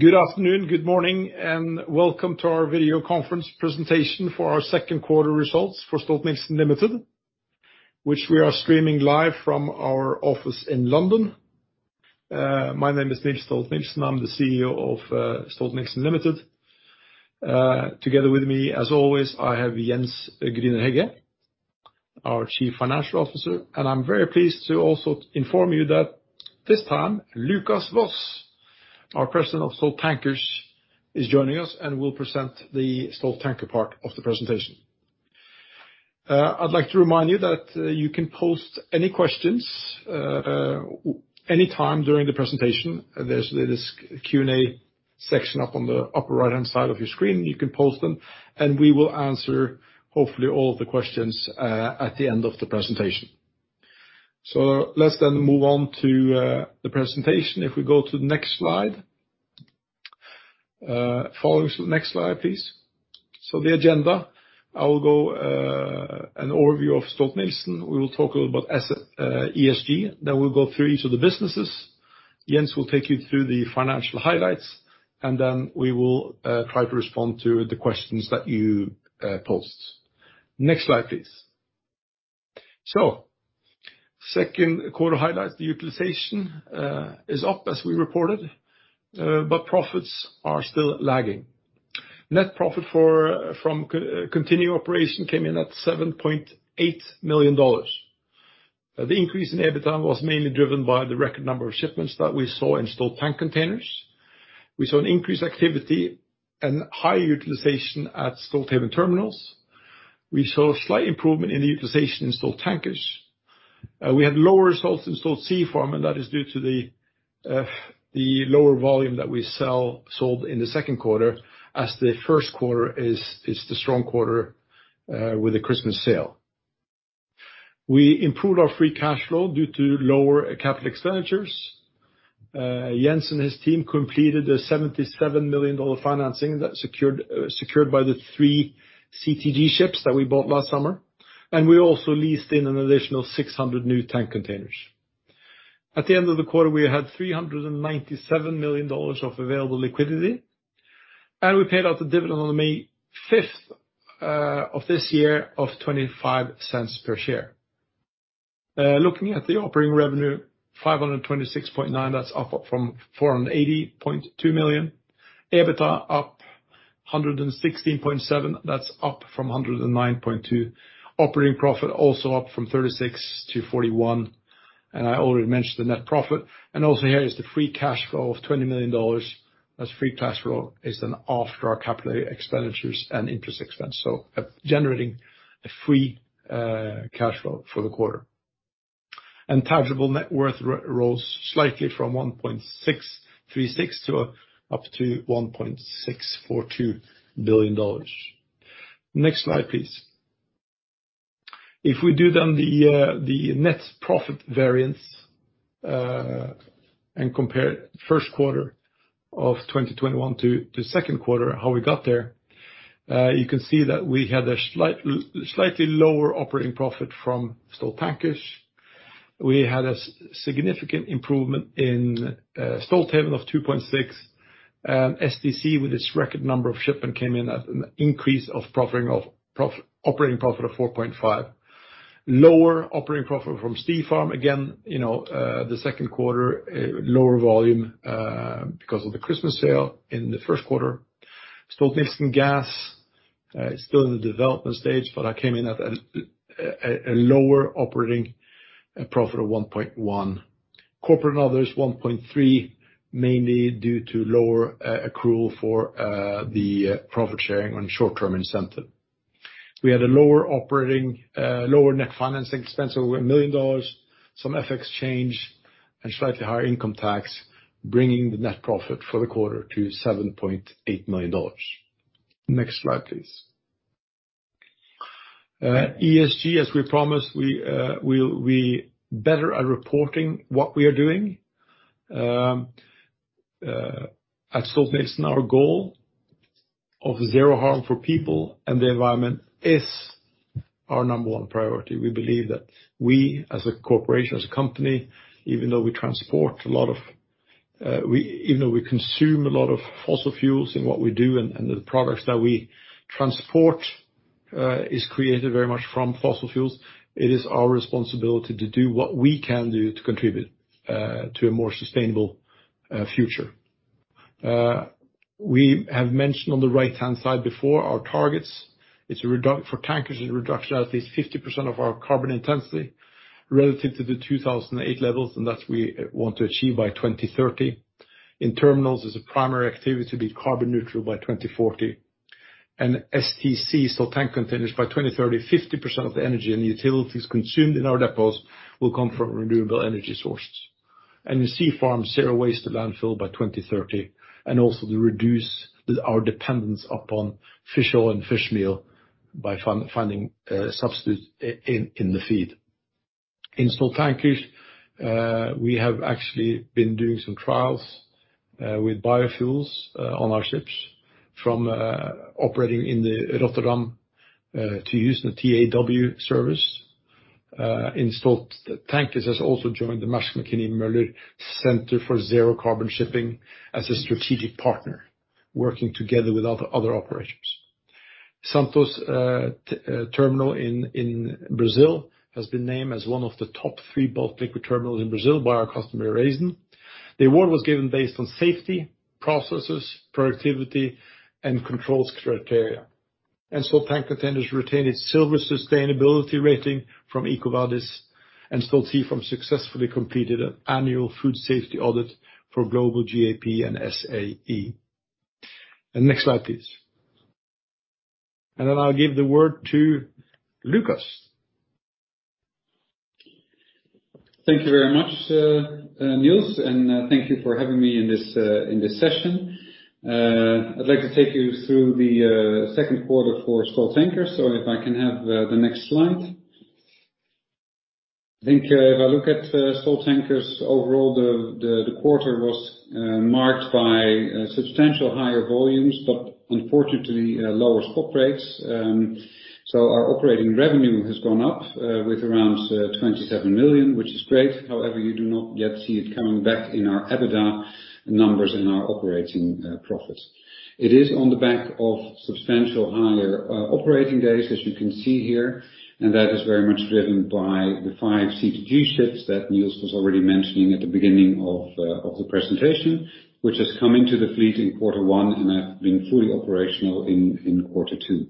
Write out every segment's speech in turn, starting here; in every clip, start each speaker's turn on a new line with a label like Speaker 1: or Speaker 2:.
Speaker 1: Good afternoon, good morning, and welcome to our video conference presentation for our second quarter results for Stolt-Nielsen Limited, which we are streaming live from our office in London. My name is Niels G Stolt-Nielsen. I'm the CEO of Stolt-Nielsen Limited. Together with me, as always, I have Jens F Grüner-Hegge, our Chief Financial Officer, and I'm very pleased to also inform you that this time Lucas Vos, our President of Stolt Tankers, is joining us and will present the Stolt Tankers part of the presentation. I'd like to remind you that you can post any questions anytime during the presentation. There's this Q&A section up on the upper right-hand side of your screen. You can post them. We will answer hopefully all the questions at the end of the presentation. Let's then move on to the presentation. If we go to the next slide. Follow to the next slide, please. The agenda, I will go an overview of Stolt-Nielsen. We will talk about ESG. We'll go through each of the businesses. Jens will take you through the financial highlights, and then we will try to respond to the questions that you post. Next slide, please. Second quarter highlights, the utilization is up as we reported, but profits are still lagging. Net profit from continuing operation came in at $7.8 million. The increase in EBITDA was mainly driven by the record number of shipments that we saw in Stolt Tank Containers. We saw an increased activity and higher utilization at Stolthaven Terminals. We saw a slight improvement in the utilization in Stolt Tankers. We had lower results in Stolt Sea Farm, that is due to the lower volume that we sold in the second quarter as the first quarter is the strong quarter with the Christmas sale. We improved our free cash flow due to lower capital expenditures. Jens and his team completed a $77 million financing secured by the three CTG ships that we bought last summer, we also leased in an additional 600 new tank containers. At the end of the quarter, we had $397 million of available liquidity, we paid out the dividend on May 5th of this year of $0.25 per share. Looking at the operating revenue, $526.9. That's up from $480.2 million. EBITDA up $116.7. That's up from $109.2. Operating profit also up from $36 to $41. I already mentioned the net profit. Also here is the free cash flow of $20 million. This free cash flow is an after our capital expenditures and interest expense. Generating a free cash flow for the quarter. Tangible net worth rose slightly from $1.636 billion up to $1.642 billion. Next slide, please. If we do then the net profit variance and compare first quarter of 2021 to second quarter, how we got there, you can see that we had a slightly lower operating profit from Stolt Tankers. We had a significant improvement in Stolt Sea Farm of $2.6 and STC with its record number of shipment came in at an increase of operating profit of $4.5. Lower operating profit from Stolt Sea Farm. Again, the second quarter lower volume, because of the Christmas sale in the first quarter. Stolt-Nielsen Gas, still in the development stage, but that came in at a lower operating profit of $1.1. Corporate and others $1.3 million, mainly due to lower accrual for the profit sharing and short-term incentive. We had a lower net finance expense, over $1 million, some FX change and slightly higher income tax, bringing the net profit for the quarter to $7.8 million. Next slide, please. ESG, as we promised, we better at reporting what we are doing. At Stolt-Nielsen, our goal of zero harm for people and the environment is our number one priority. We believe that we as a corporation, as a company, even though we consume a lot of fossil fuels in what we do and the products that we transport is created very much from fossil fuels, it is our responsibility to do what we can do to contribute to a more sustainable future. We have mentioned on the right-hand side before our targets. For Tankers, the reduction at least 50% of our carbon intensity relative to the 2008 levels, and that we want to achieve by 2030. In terminals, as a primary activity, to be carbon neutral by 2040. STC, so Tank Containers, by 2030, 50% of the energy and utilities consumed in our depots will come from renewable energy sources. The Stolt Sea Farm, zero waste to landfill by 2030. Also to reduce our dependence upon fish oil and fish meal by finding substitutes in the feed. In Stolt Tankers, we have actually been doing some trials with biofuels on our ships from operating in the Rotterdam to use the ARA service. Stolt Tankers has also joined the Mærsk Mc-Kinney Møller Center for Zero Carbon Shipping as a strategic partner, working together with other operators. Santos Terminal in Brazil has been named as one of the top 3 bulk liquid terminals in Brazil by our customer, Raízen. The award was given based on safety, processes, productivity, and controls criteria. Stolt Tank Containers has retained its silver sustainability rating from EcoVadis, and Stolt Sea Farm successfully completed an annual food safety audit for GLOBALG.A.P. and SAE. The next slide, please. Then I'll give the word to Lucas.
Speaker 2: Thank you very much, Niels and thank you for having me in this session. I'd like to take you through the second quarter for Stolt Tankers, so if I can have the next slide. I think if I look at Stolt Tankers overall, the quarter was marked by substantial higher volumes, but unfortunately, lower spot rates. Our operating revenue has gone up with around $27 million, which is great. However, you do not yet see it coming back in our EBITDA numbers in our operating profit. It is on the back of substantial higher operating days as you can see here. That is very much driven by the five CTG ships that Niels was already mentioning at the beginning of the presentation, which has come into the fleet in quarter one and have been fully operational in quarter two.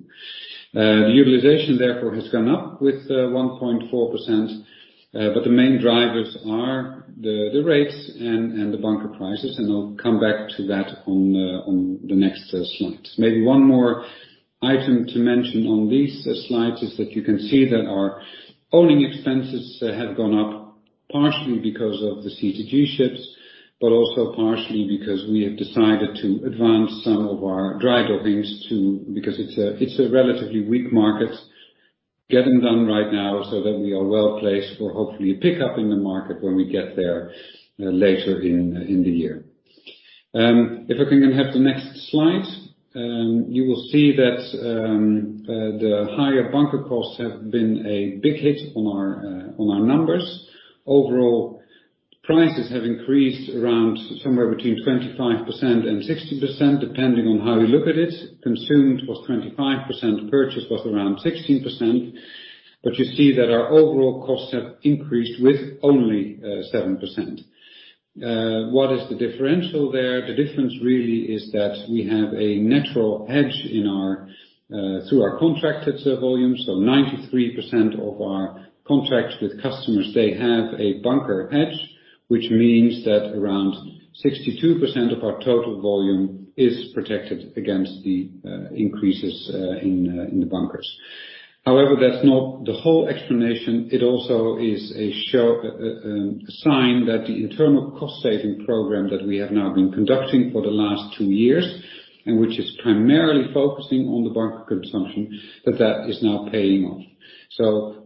Speaker 2: The utilization therefore has gone up with 1.4%, but the main drivers are the rates and the bunker prices, and I'll come back to that on the next slides. Maybe one more item to mention on these slides is that you can see that our owning expenses have gone up, partially because of the CTG ships, but also partially because we have decided to advance some of our dry dockings too, because it's a relatively weak market. Get them done right now so that we are well-placed for hopefully a pick-up in the market when we get there later in the year. If I can have the next slide. You will see that the higher bunker costs have been a big hit on our numbers. Overall, prices have increased around somewhere between 25% and 16%, depending on how you look at it. Consumed was 25%, purchase was around 16%, but you see that our overall costs have increased with only 7%. What is the differential there? The difference really is that we have a natural hedge through our contracted volume. 93% of our contracts with customers, they have a bunker hedge, which means that around 62% of our total volume is protected against the increases in the bunkers. However, that's not the whole explanation. It also is a sign that the internal cost-saving program that we have now been conducting for the last two years, and which is primarily focusing on the bunker consumption, that that is now paying off.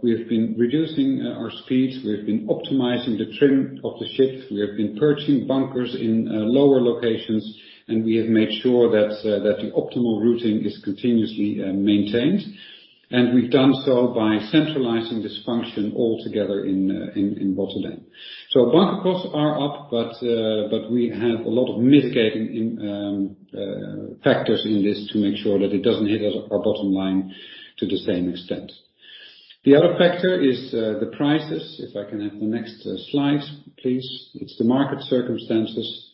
Speaker 2: We've been reducing our speeds, we've been optimizing the trim of the ships, we have been purchasing bunkers in lower locations, and we have made sure that the optimal routing is continuously maintained. We've done so by centralizing this function all together in Rotterdam. Bunker costs are up, but we have a lot of mitigating factors in this to make sure that it doesn't hit our bottom line to the same extent. The other factor is the prices. If I can have the next slide, please. It's the market circumstances.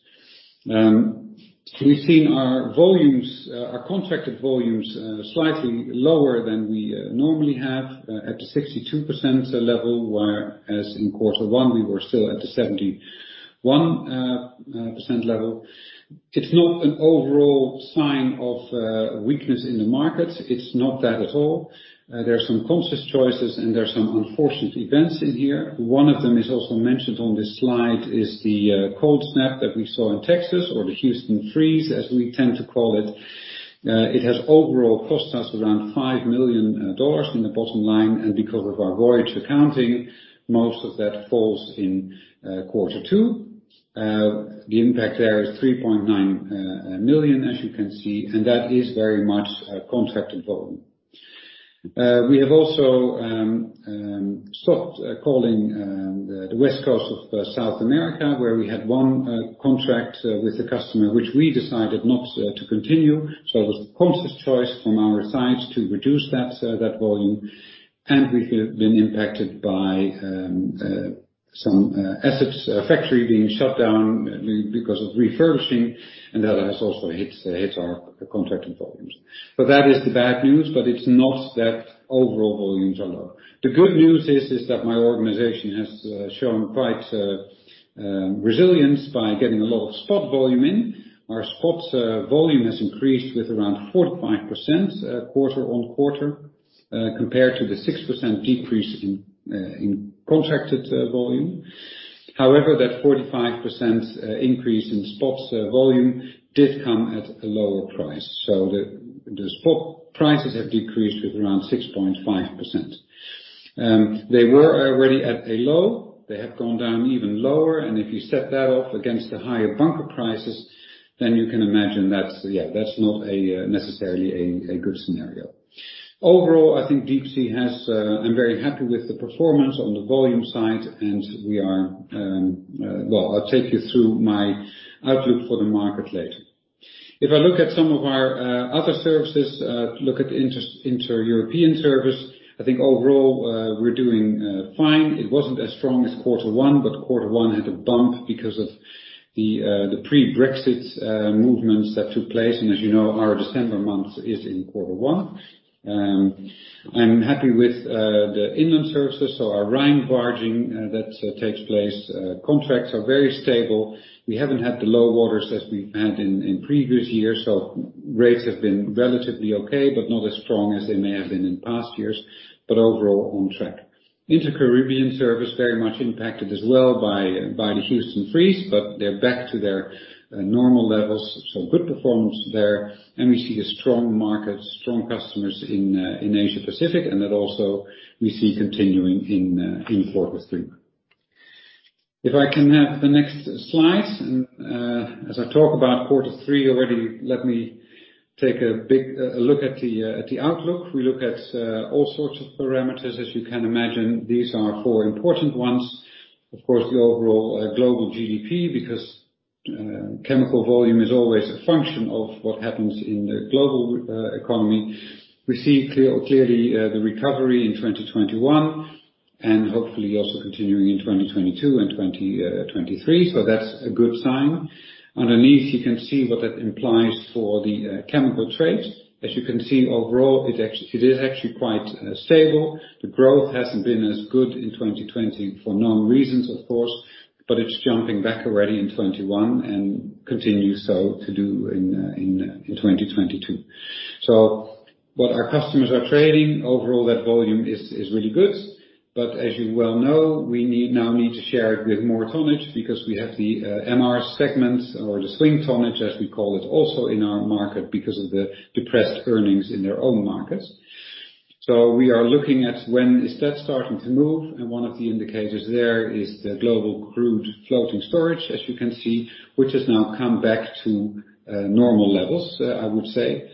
Speaker 2: We've seen our contracted volumes slightly lower than we normally have at the 62% level, whereas in quarter one, we were still at the 71% level. It's not an overall sign of weakness in the market. It's not that at all. There are some conscious choices and there are some unfortunate events in here. One of them is also mentioned on this slide is the cold snap that we saw in Texas or the Houston freeze, as we tend to call it. It has overall cost us around $5 million in the bottom line, and because of our voyage accounting, most of that falls in quarter two. The impact there is $3.9 million, as you can see, and that is very much contracted volume. We have also stopped calling the West Coast of South America, where we had one contract with a customer which we decided not to continue. That was a conscious choice from our side to reduce that volume, and we have been impacted by some assets facility being shut down because of refurbishing, and that has also hit our contracted volumes. That is the bad news, but it's not that overall volumes are low. The good news is that my organization has shown quite resilience by getting a lot of spot volume in. Our spots volume has increased with around 45% quarter-on-quarter compared to the 6% decrease in contracted volume. That 45% increase in spots volume did come at a lower price. The spot prices have decreased with around 6.5%. They were already at a low. They have gone down even lower, and if you set that off against the higher bunker prices, then you can imagine that is not necessarily a good scenario. Overall, I think Deep Sea, I'm very happy with the performance on the volume side and well, I'll take you through my outlook for the market later. If I look at some of our other services, look at the intra-European service, I think overall, we're doing fine. It wasn't as strong as quarter one. Quarter one hit a bump because of the pre-Brexit movements that took place. As you know, our December month is in quarter one. I'm happy with the inland services, so our Rhine barging that takes place. Contracts are very stable. We haven't had the low waters as we've had in previous years, so rates have been relatively okay, but not as strong as they may have been in past years, but overall on track. Inter-Caribbean Service very much impacted as well by the Houston freeze, but they're back to their normal levels. Good performance there and we see a strong market, strong customers in Asia-Pacific, and that also we see continuing in quarter three. If I can have the next slide. As I talk about quarter three already, let me take a look at the outlook. We look at all sorts of parameters, as you can imagine. These are four important ones. The overall global GDP, because chemical volume is always a function of what happens in the global economy. We see clearly the recovery in 2021 and hopefully also continuing in 2022 and 2023. That's a good sign. Underneath you can see what that implies for the chemical trades. As you can see overall, it is actually quite stable. The growth hasn't been as good in 2020 for known reasons, of course, it's jumping back already in 2021 and continues so to do in 2022. What our customers are trading overall, that volume is really good. As you well know, we now need to share it with more tonnage because we have the MR segments or the swing tonnage, as we call it, also in our market because of the depressed earnings in their own markets. We are looking at when is that starting to move, and one of the indicators there is the global crude floating storage, as you can see, which has now come back to normal levels, I would say.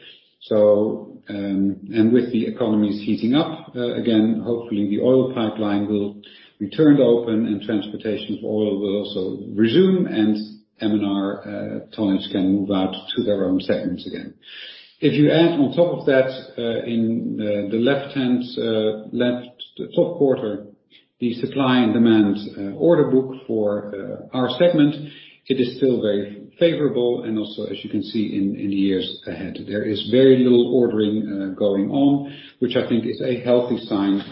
Speaker 2: With the economies heating up again, hopefully the oil pipeline will be turned open and transportation of oil will also resume and MR tonnage can move out to their own segments again. If you add on top of that in the top quarter, the supply and demand order book for our segment, it is still very favorable and also as you can see in the years ahead. There is very little ordering going on, which I think is a healthy sign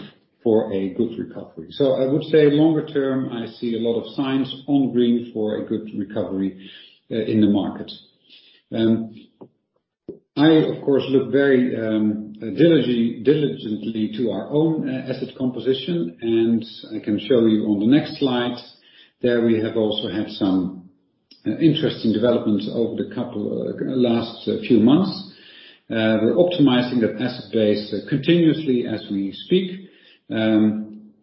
Speaker 2: for a good recovery. I would say longer term, I see a lot of signs all green for a good recovery in the market. I, of course, look very diligently to our own asset composition, and I can show you on the next slide. There we have also had some interesting developments over the last few months. We're optimizing that asset base continuously as we speak.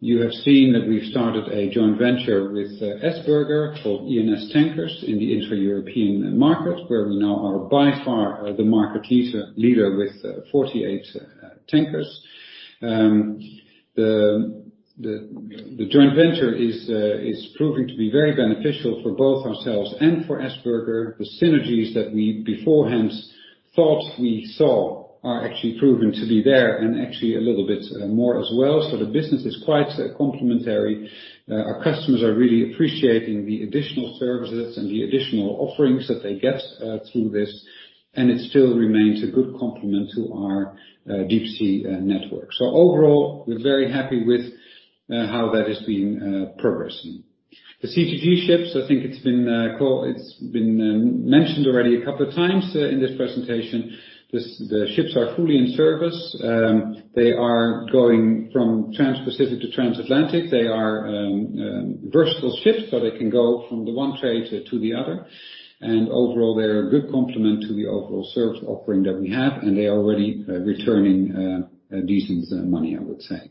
Speaker 2: You have seen that we've started a joint venture with Essberger called E&S Tankers in the intra-European market, where we now are by far the market leader with 48 tankers. The joint venture is proving to be very beneficial for both ourselves and Essberger. The synergies that we beforehand thought we saw are actually proving to be there and actually a little bit more as well. The business is quite complementary. Our customers are really appreciating the additional services and the additional offerings that they get through this, and it still remains a good complement to our Deep Sea network. Overall, we're very happy with how that is being progressing. The CTG ships, I think it's been mentioned already a couple of times in this presentation. The ships are fully in service. They are going from Transpacific to Transatlantic. They are versatile ships, so they can go from the one trade to the other, and overall, they're a good complement to the overall service offering that we have, and they're already returning decent money, I would say.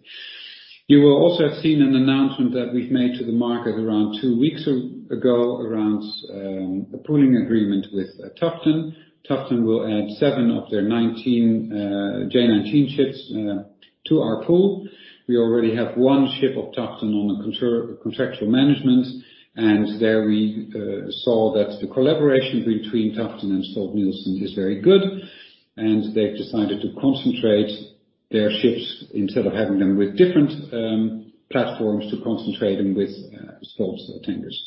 Speaker 2: You will also have seen an announcement that we've made to the market around 2 weeks ago around a pooling agreement with Tufton. Tufton will add 7 of their J19 ships to our pool. We already have one ship of Tufton on a contractual management. There we saw that the collaboration between Tufton and Stolt-Nielsen is very good. They've decided to concentrate their ships instead of having them with different platforms to concentrate them with Stolt Tankers.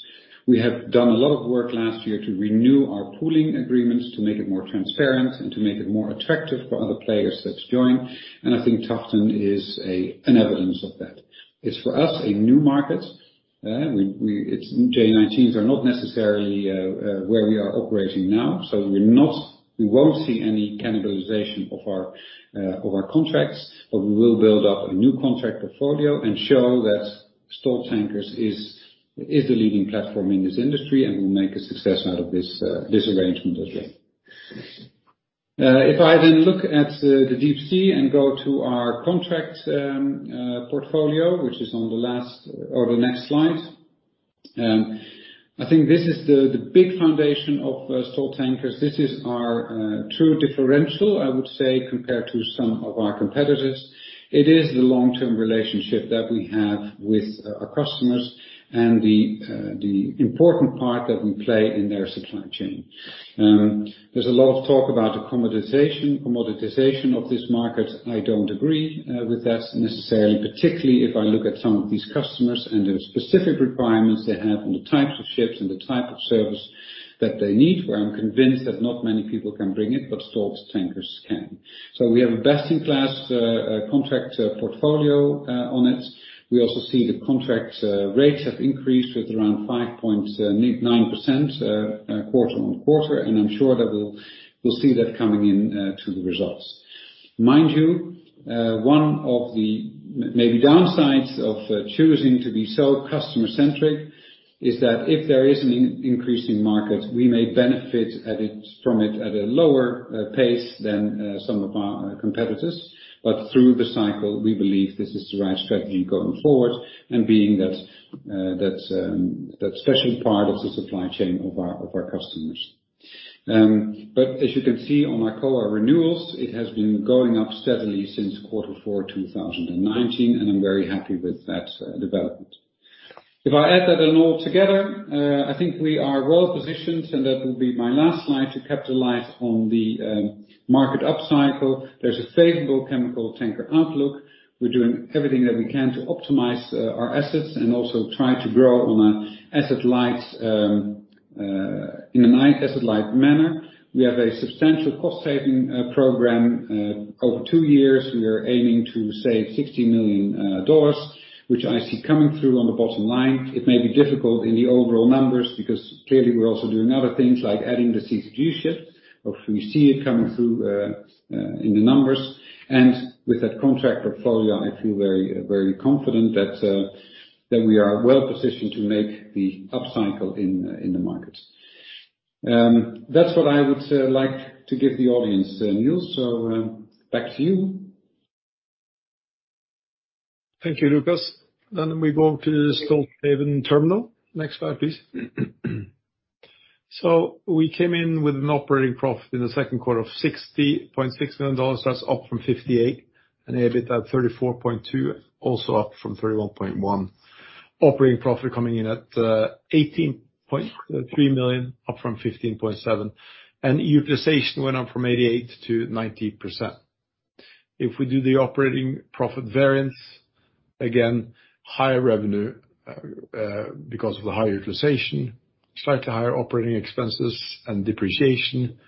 Speaker 2: We have done a lot of work last year to renew our pooling agreements, to make it more transparent and to make it more attractive for other players to join. I think Tufton is an evidence of that. It's for us, a new market. J19s are not necessarily where we are operating now. We won't see any cannibalization of our contracts. We will build up a new contract portfolio and show that Stolt Tankers is the leading platform in this industry and will make a success out of this arrangement as well. If I look at the Deep Sea and go to our contract portfolio, which is on the next slide. I think this is the big foundation of Stolt Tankers. This is our true differential, I would say, compared to some of our competitors. It is the long-term relationship that we have with our customers and the important part that we play in their supply chain. There's a lot of talk about commoditization of this market. I don't agree with that necessarily, particularly if I look at some of these customers and the specific requirements they have on the types of ships and the type of service that they need, where I'm convinced that not many people can bring it, but Stolt Tankers can. We have a best-in-class contract portfolio on it. We also see the contract rates have increased with around 5.9% quarter-on-quarter. I'm sure that we'll see that coming in to the results. Mind you, one of the maybe downsides of choosing to be so customer-centric is that if there is an increasing market, we may benefit from it at a lower pace than some of our competitors. Through the cycle, we believe this is the right strategy going forward and being that special part of the supply chain of our customers. As you can see on my COA renewals, it has been going up steadily since quarter four 2019. I'm very happy with that development. If I add that all together, I think we are well-positioned. That will be my last slide to capitalize on the market upcycle. There's a favorable chemical tanker outlook. We're doing everything that we can to optimize our assets and also try to grow in a nice asset-light manner. We have a substantial cost-saving program. Over 2 years, we are aiming to save $60 million, which I see coming through on the bottom line. It may be difficult in the overall numbers because clearly we're also doing other things like adding the CTG ship, but we see it coming through in the numbers. With that contract portfolio, I feel very confident that we are well positioned to make the upcycle in the market. That's what I would like to give the audience, Niels. Back to you.
Speaker 1: Thank you, Lucas. We go to the Stolthaven Terminals. Next slide, please. We came in with an operating profit in the second quarter of $60.6 million. That's up from $58 million and EBIT at $34.2 million, also up from $31.1 million. Operating profit coming in at $18.3 million, up from $15.7 million. Utilization went up from 88% to 90%. If we do the operating profit variance, again, higher revenue because of the higher utilization, slightly higher operating expenses and depreciation,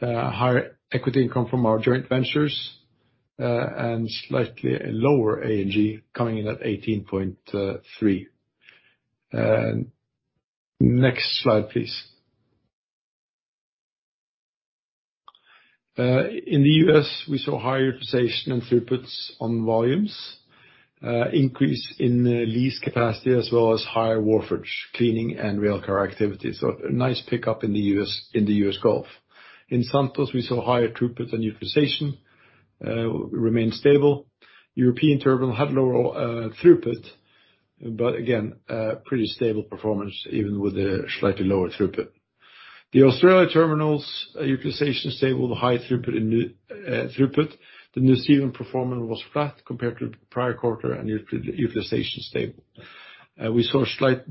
Speaker 1: higher equity income from our joint ventures, and slightly lower A&G coming in at $18.3 million. Next slide, please. In the U.S., we saw higher utilization and throughputs on volumes, increase in lease capacity as well as higher wharfage, cleaning, and railcar activity. A nice pickup in the U.S. Gulf. In Santos, we saw higher throughput and utilization remain stable. European terminal had lower throughput, but again, pretty stable performance even with a slightly lower throughput. The Australia terminals utilization stable to high throughput. The New Zealand performance was flat compared to the prior quarter and utilization stable. We saw a slight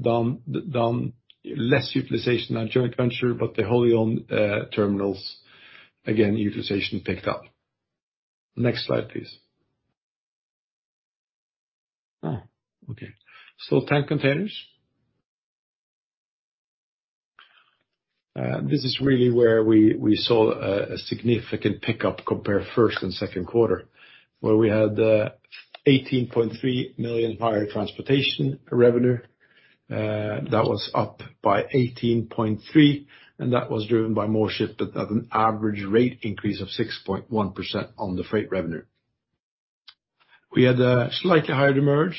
Speaker 1: less utilization than joint venture, but the wholly owned terminals, again, utilization picked up. Next slide, please. Oh, okay. Stolt Tank Containers. This is really where we saw a significant pickup compared 1st and 2nd quarter, where we had $18.3 million higher transportation revenue. That was up by $18.3 million, and that was driven by more shipment at an average rate increase of 6.1% on the freight revenue. We had a slightly higher margin,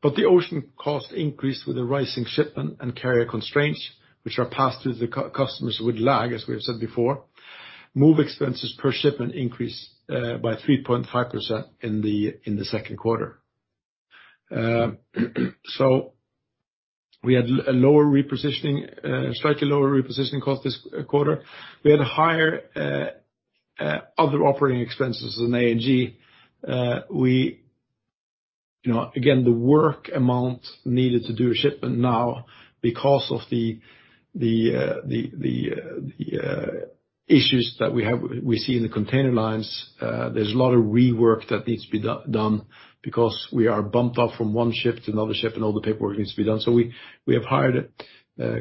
Speaker 1: but the ocean cost increased with the rising shipment and carrier constraints, which are passed through to customers with lag, as we have said before. Move expenses per shipment increased by 3.5% in the second quarter. We had a slightly lower repositioning cost this quarter. We had higher other operating expenses than A&G. Again, the work amount needed to do a shipment now because of the issues that we see in the container lines there's a lot of rework that needs to be done because we are bumped up from one ship to another ship and all the paperwork needs to be done. We have hired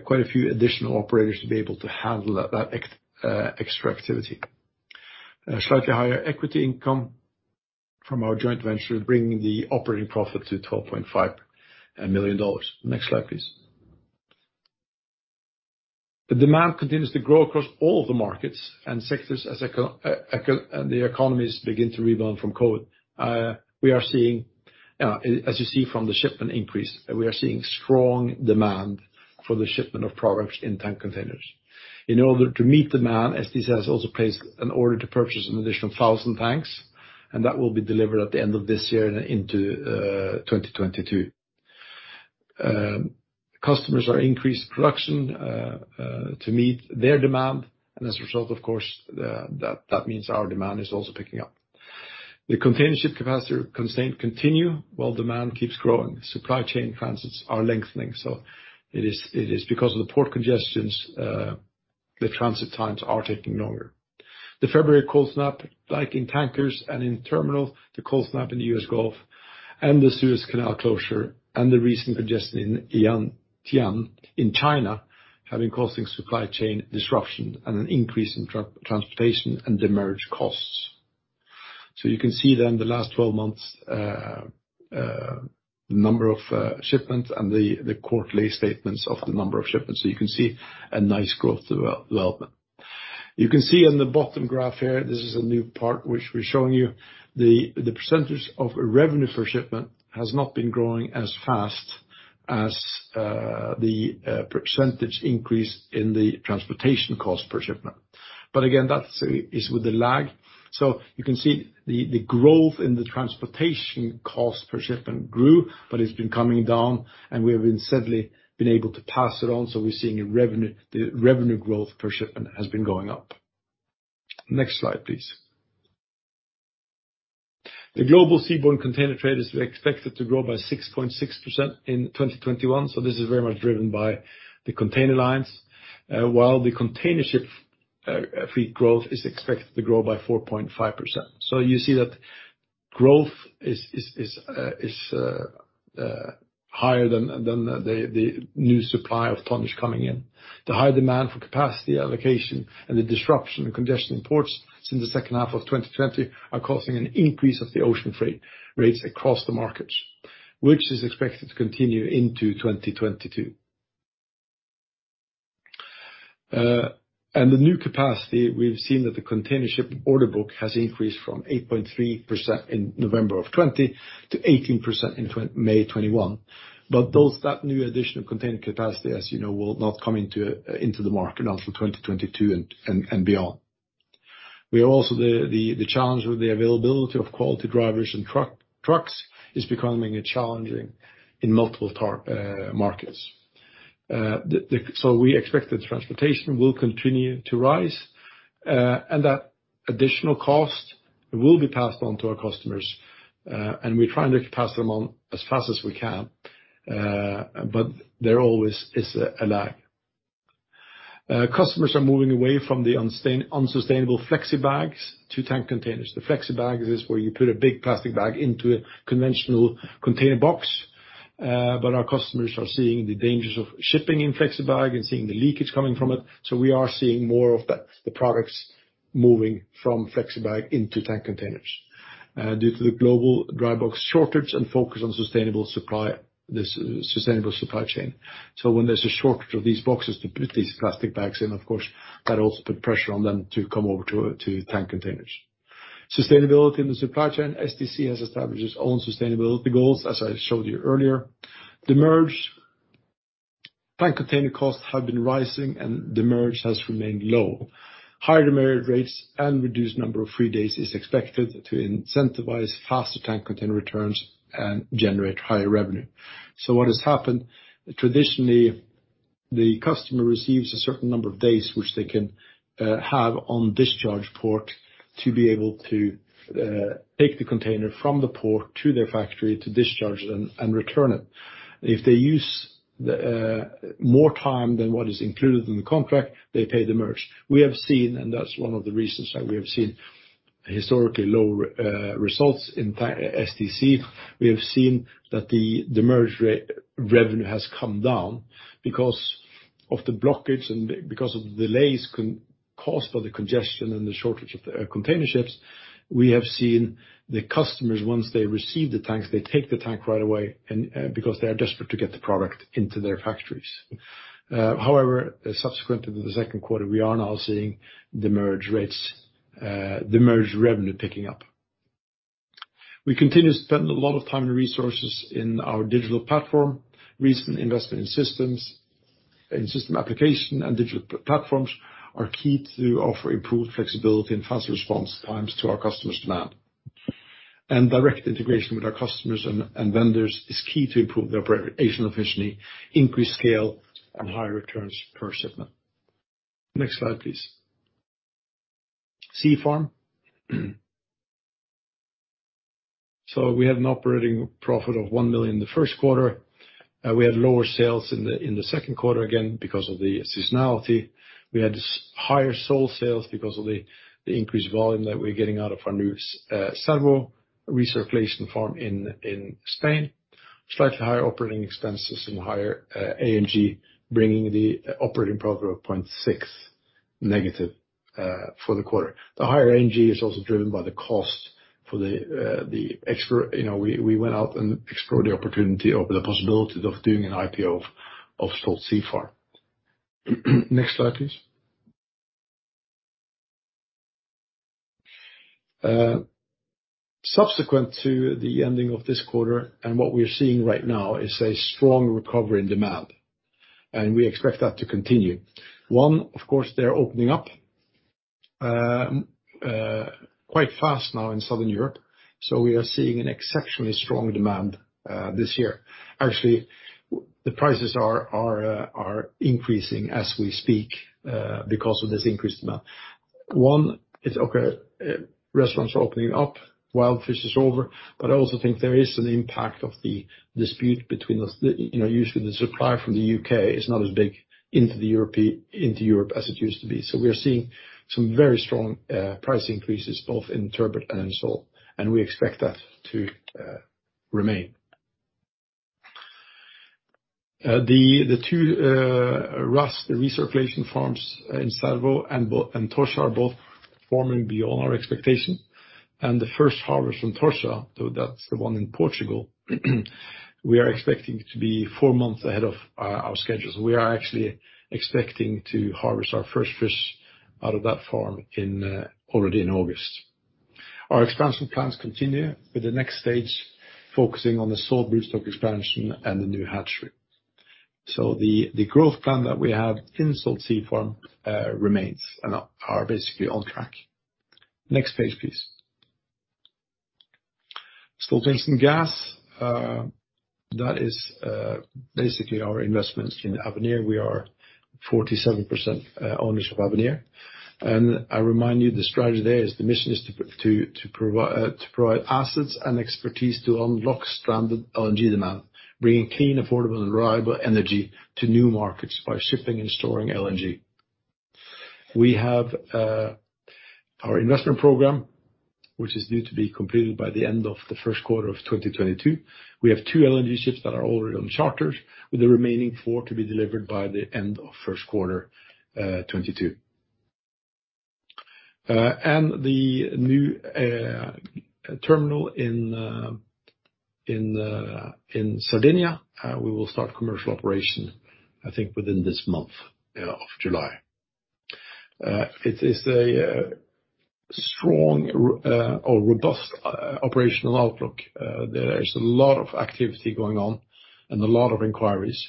Speaker 1: quite a few additional operators to be able to handle that extra activity. Slightly higher equity income from our joint venture, bringing the operating profit to $12.5 million. Next slide, please. The demand continues to grow across all the markets and sectors as the economies begin to rebound from COVID-19. As you see from the shipment increase, we are seeing strong demand for the shipment of products in tank containers. In order to meet demand, STC has also placed an order to purchase an additional 1,000 tanks, and that will be delivered at the end of this year and into 2022. Customers are increased production to meet their demand and as a result, of course, that means our demand is also picking up. The container ship capacity constraints continue while demand keeps growing. Supply chain transits are lengthening. It is because of the port congestions, the transit times are taking longer. The February cold snap, like in tankers and in terminal, the cold snap in the U.S. Gulf and the Suez Canal closure and the recent congestion in Yantian in China, having caused supply chain disruptions and an increase in transportation and demurrage costs. You can see the last 12 months, number of shipments and the quarterly statements of the number of shipments. You can see a nice growth development. You can see on the bottom graph here, this is a new part which we're showing you. The % of revenue per shipment has not been growing as fast as the % increase in the transportation cost per shipment. Again, that is with a lag. You can see the growth in the transportation cost per shipment grew, but it's been coming down and we have instantly been able to pass it on. We're seeing the revenue growth per shipment has been going up. Next slide, please. The global seaborne container trade is expected to grow by 6.6% in 2021, so this is very much driven by the container lines. While the containership fleet growth is expected to grow by 4.5%. You see that growth is higher than the new supply of tonnage coming in. The high demand for capacity allocation and the disruption and congestion in ports since the second half of 2020 are causing an increase of the ocean freight rates across the markets, which is expected to continue into 2022. The new capacity, we've seen that the containership order book has increased from 8.3% in November of 2020 to 18% in May 2021. That new additional container capacity, as you know, will not come into the market until 2022 and beyond. The challenge with the availability of quality drivers and trucks is becoming challenging in multiple markets. We expect that transportation will continue to rise, and that additional cost will be passed on to our customers. We try and pass them on as fast as we can, but there always is a lag. Customers are moving away from the unsustainable flexibags to tank containers. The flexibag is where you put a big plastic bag into a conventional container box, but our customers are seeing the dangers of shipping in flexibag and seeing the leakage coming from it. We are seeing more of the products moving from flexibag into tank containers. Due to the global dry box shortage and focus on sustainable supply chain. When there's a shortage of these boxes to put these plastic bags in, of course, that also put pressure on them to come over to tank containers. Sustainability in the supply chain. STC has established its own sustainability goals, as I showed you earlier. Demurrage. Tank container costs have been rising and demurrage has remained low. Higher demurrage rates and reduced number of free days is expected to incentivize faster tank container returns and generate higher revenue. What has happened, traditionally, the customer receives a certain number of days which they can have on discharge port to be able to take the container from the port to their factory to discharge and return it. If they use more time than what is included in the contract, they pay demurrage. We have seen, and that's one of the reasons that we have seen historically low results in STC. We have seen that the demurrage revenue has come down because of the blockage and because of the delays caused by the congestion and the shortage of the containerships. We have seen the customers, once they receive the tanks, they take the tank right away because they are desperate to get the product into their factories. Subsequently in the second quarter, we are now seeing the demurrage revenue picking up. We continue to spend a lot of time and resources in our digital platform. Recent investment in systems and system application and digital platforms are key to offer improved flexibility and faster response times to our customers' demand. Direct integration with our customers and vendors is key to improve the operational efficiency, increased scale, and higher returns per shipment. Next slide, please. Stolt Sea Farm. We had an operating profit of $1 million in the first quarter. We had lower sales in the second quarter, again, because of the seasonality. We had higher sole sales because of the increased volume that we're getting out of our new sole recirculation farm in Spain. Slightly higher operating expenses and higher A&G, bringing the operating profit of -$0.6 for the quarter. The higher A&G is also driven by the cost for we went out and explored the opportunity or the possibility of doing an IPO of Stolt Sea Farm. Next slide please. Subsequent to the ending of this quarter, what we're seeing right now is a strong recovery in demand, we expect that to continue. One, of course, they're opening up quite fast now in Southern Europe. We are seeing an exceptionally strong demand this year. Actually, the prices are increasing as we speak because of this increase demand. One, it's okay. Restaurants are opening up, wild fish is over, I also think there is an impact of the dispute between us. Usually the supply from the U.K. is not as big into Europe as it used to be. We are seeing some very strong price increases both in turbot and sole, and we expect that to remain. The 2 RAS, the recirculation farms in Stavanger and Tocha are both performing beyond our expectation. The first harvest from Tocha, that's the one in Portugal, we are expecting to be 4 months ahead of our schedule. We are actually expecting to harvest our first fish out of that farm already in August. Our expansion plans continue with the next stage, focusing on the sole broodstock expansion and the new hatchery. The growth plan that we have in Stolt Sea Farm remains and are basically on track. Next slide, please. Stolt-Nielsen Gas. That is basically our investments in Avenir LNG. We are 47% owners of Avenir LNG. I remind you the strategy there is the mission is to provide assets and expertise to unlock stranded LNG demand, bringing clean, affordable, and reliable energy to new markets by shipping and storing LNG. We have our investment program, which is due to be completed by the end of the end of the first quarter 2022. We have two LNG ships that are already on charter, with the remaining four to be delivered by the end of the first quarter 2022. The new terminal in Sardinia, we will start commercial operation, I think within this month of July. It is a strong or robust operational outlook. There is a lot of activity going on and a lot of inquiries.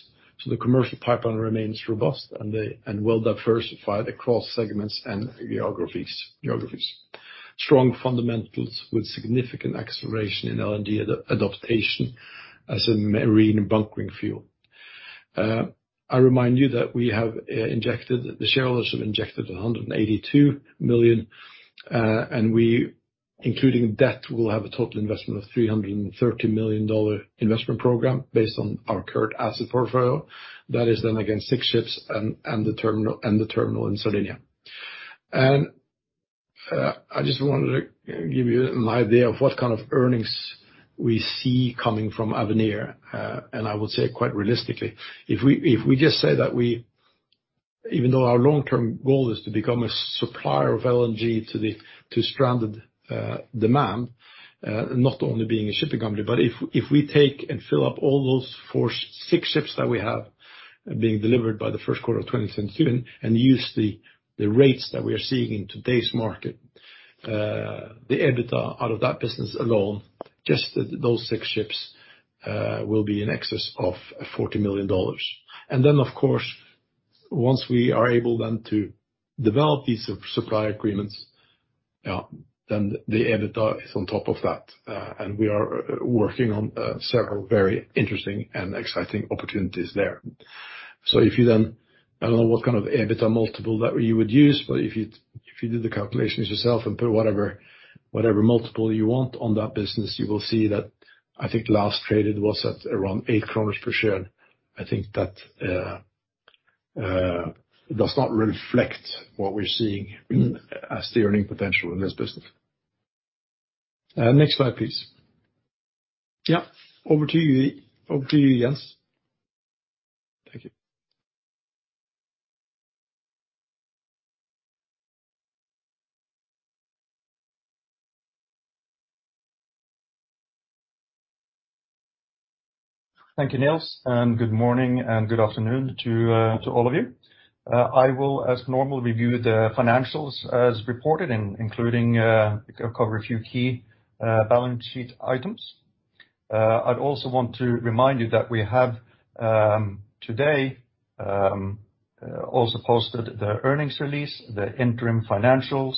Speaker 1: The commercial pipeline remains robust and well diversified across segments and geographies. Strong fundamentals with significant acceleration in LNG adaptation as a marine bunkering fuel. I remind you that the shareholders have injected $182 million, and including debt, we'll have a total investment of $330 million investment program based on our current asset portfolio. That is against six ships and the terminal in Sardinia. I just wanted to give you an idea of what kind of earnings we see coming from Avenir LNG. I would say quite realistically. If we just say that even though our long-term goal is to become a supplier of LNG to stranded demand, not only being a shipping company, but if we take and fill up all those six ships that we have being delivered by the first quarter of 2022 and use the rates that we are seeing in today's market, the EBITDA out of that business alone, just those six ships, will be in excess of $40 million. Of course, once we are able then to develop these supply agreements, then the EBITDA is on top of that. We are working on several very interesting and exciting opportunities there. If you, I don't know what kind of EBITDA multiple that you would use, but if you do the calculations yourself and put whatever multiple you want on that business, you will see that I think last traded was at around $8 per share. I think that does not reflect what we're seeing as the earning potential in this business. Next slide, please. Over to you, Jens. Thank you.
Speaker 3: Thank you, Niels and good morning and good afternoon to all of you. I will as normal review the financials as reported, including cover a few key balance sheet items. I also want to remind you that we have today also posted the earnings release, the interim financials,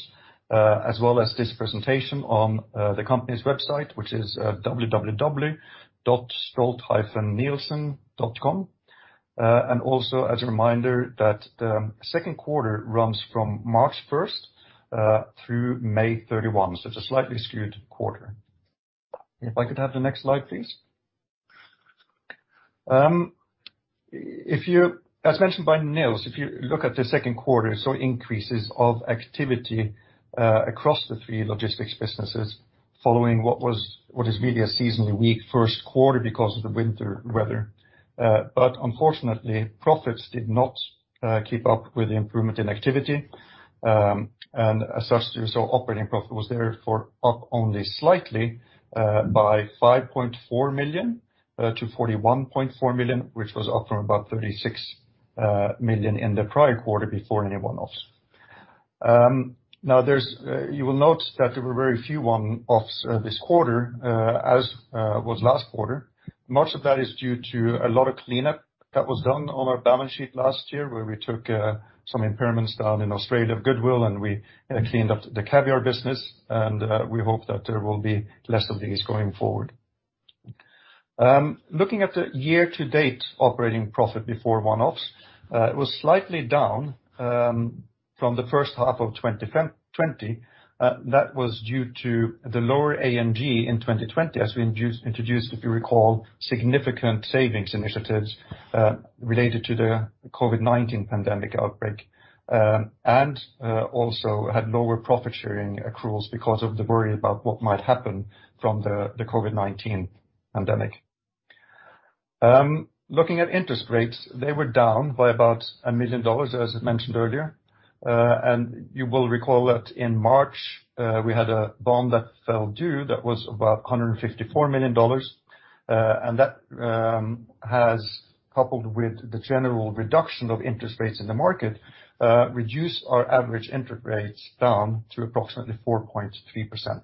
Speaker 3: as well as this presentation on the company's website, which is www.stolt-nielsen.com. Also as a reminder that the second quarter runs from March 1st through May 31st, so it's a slightly skewed quarter. If I could have the next slide, please. As mentioned by Niels, if you look at the second quarter, saw increases of activity across the three logistics businesses following what is really a seasonally weak first quarter because of the winter weather. Unfortunately, profits did not keep up with the improvement in activity. As such, you saw operating profit was therefore up only slightly, by $5.4 million to $41.4 million, which was up from about $36 million. million in the prior quarter before any one-offs. You will note that there were very few one-offs this quarter as was last quarter. Much of that is due to a lot of cleanup that was done on our balance sheet last year where we took some impairments down in Australia of goodwill. We cleaned up the caviar business. We hope that there will be less of these going forward. Looking at the year to date operating profit before one-offs, it was slightly down from the first half of 2020. That was due to the lower A&G in 2020 as we introduced, if you recall, significant savings initiatives related to the COVID-19 pandemic outbreak. Also had lower profit-sharing accruals because of the worry about what might happen from the COVID-19 pandemic. Looking at interest rates, they were down by about $1 million as I mentioned earlier. You will recall that in March, we had a bond that fell due that was about $154 million. That has coupled with the general reduction of interest rates in the market, reduced our average interest rates down to approximately 4.3%.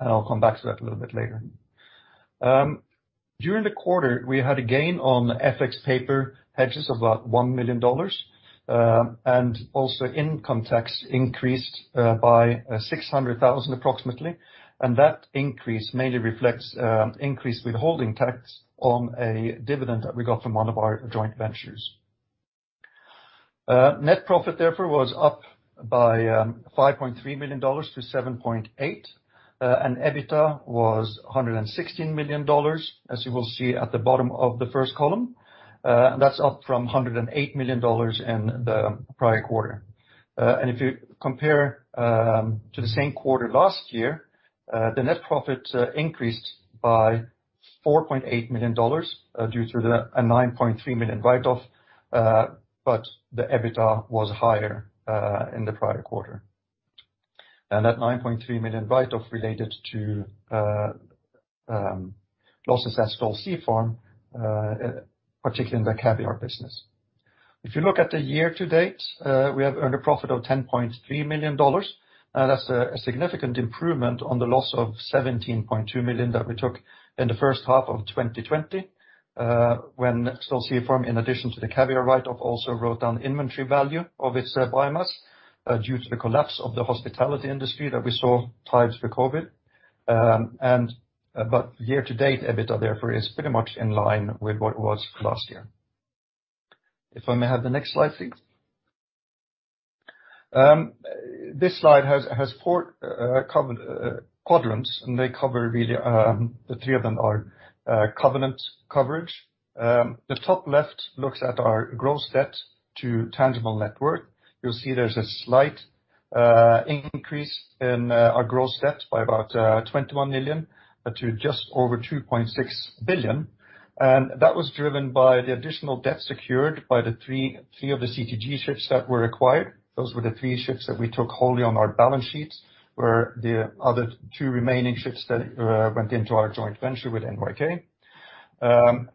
Speaker 3: I'll come back to that a little bit later. During the quarter, we had a gain on FX paper hedges of about $1 million. Also income tax increased by $600,000 approximately. That increase mainly reflects increased withholding tax on a dividend that we got from one of our joint ventures. Net profit, therefore, was up by $5.3 million to $7.8 million, and EBITDA was $116 million, as you will see at the bottom of the first column. That's up from $108 million in the prior quarter. If you compare to the same quarter last year, the net profit increased by $4.8 million due to the $9.3 million write-off, but the EBITDA was higher in the prior quarter. That $9.3 million write-off related to losses at Stolt Sea Farm, particularly in the caviar business. If you look at the year to date, we have earned a profit of $10.3 million. That's a significant improvement on the loss of $17.2 million that we took in the first half of 2020, when Stolt Sea Farm, in addition to the caviar write-off, also wrote down inventory value of its biomass due to the collapse of the hospitality industry that we saw tied to COVID. Year to date, EBITDA, therefore, is pretty much in line with what was last year. If I may have the next slide, please. This slide has four quadrants, they cover the three of them are covenant coverage. The top left looks at our gross debt to tangible net worth. You'll see there's a slight increase in our gross debt by about $21 million to just over $2.6 billion. That was driven by the additional debt secured by the three of the CTG ships that were acquired. Those were the three ships that we took wholly on our balance sheets where the other two remaining ships then went into our joint venture with NYK,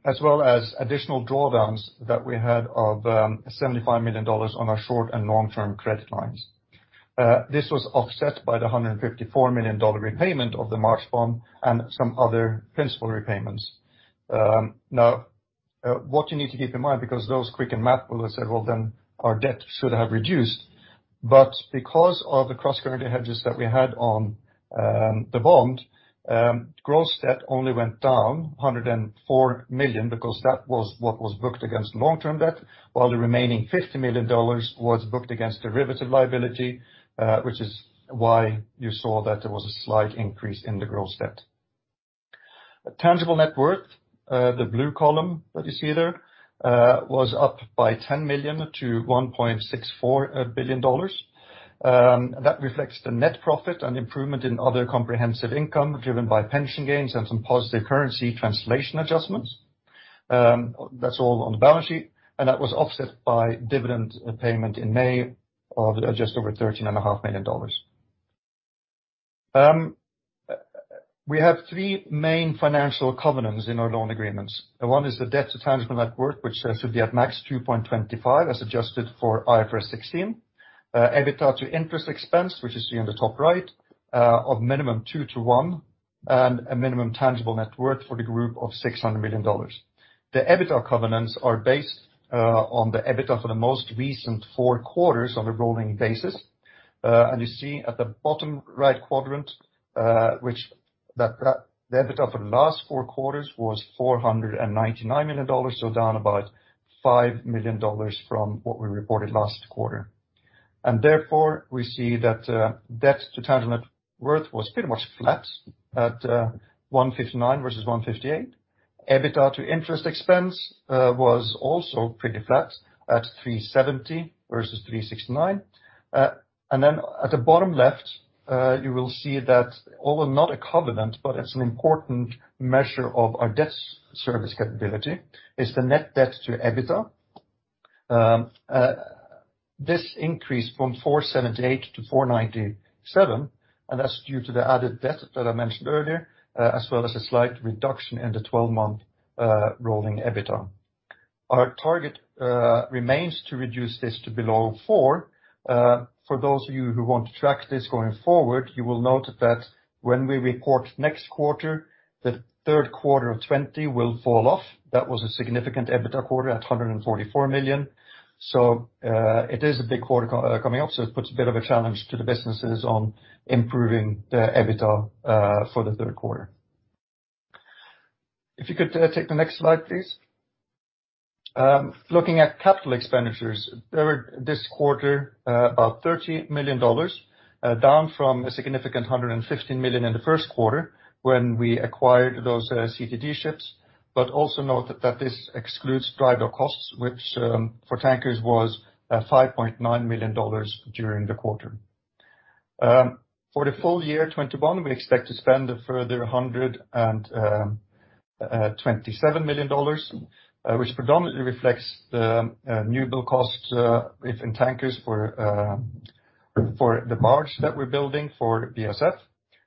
Speaker 3: as well as additional drawdowns that we had of $75 million on our short and long-term credit lines. This was offset by the $154 million repayment of the March bond and some other principal repayments. Now, what you need to keep in mind, because those quick math will say, well, then our debt should have reduced. Because of the cross-currency hedges that we had on the bond, gross debt only went down $104 million because that was what was booked against long-term debt while the remaining $50 million was booked against derivative liability, which is why you saw that there was a slight increase in the gross debt. Tangible net worth, the blue column that you see there, was up by $10 million to $1.64 billion. That reflects the net profit and improvement in other comprehensive income driven by pension gains and some positive currency translation adjustments. That is all on the balance sheet, and that was offset by dividend payment in May of just over $13.5 million. We have three main financial covenants in our loan agreements. One is the debt to tangible net worth, which says to be at max 2.25 as adjusted for IFRS 16. EBITDA to interest expense, which you see on the top right, of minimum 2:1 and a minimum tangible net worth for the group of $600 million. The EBITDA covenants are based on the EBITDA for the most recent four quarters on a rolling basis. You see at the bottom right quadrant, which the EBITDA for the last 4 quarters was $499 million, so down about $5 million from what we reported last quarter. Therefore, we see that debt to tangible net worth was pretty much flat at 159 versus 158. EBITDA to interest expense was also pretty flat at 370 versus 369. At the bottom left, you will see that although not a covenant, but it's an important measure of our debt service capability is the net debt to EBITDA. This increased from 478 to 497, that's due to the added debt that I mentioned earlier, as well as a slight reduction in the 12-month rolling EBITDA. Our target remains to reduce this to below 4. For those of you who want to track this going forward, you will note that when we report next quarter, the third quarter of 2020 will fall off. That was a significant EBITDA quarter at $144 million. It is a big quarter coming up, so it puts a bit of a challenge to the businesses on improving the EBITDA for the third quarter. If you could take the next slide, please. Looking at capital expenditures, they were this quarter $30 million, down from a significant $150 million in the first quarter when we acquired those CTG ships. Also note that this excludes drydock costs, which for tankers was $5.9 million during the quarter. For the full year 2021, we expect to spend a further $127 million, which predominantly reflects the new build costs in tankers for the barge that we're building for BASF.